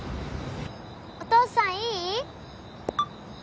お父さんいい？